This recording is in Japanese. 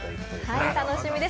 はい、楽しみです。